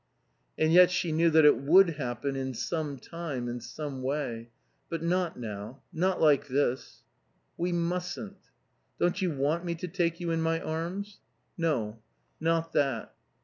And yet she knew that it would happen in some time, in some way. But not now. Not like this. "We mustn't." "Don't you want me to take you in my arms?" "No. Not that."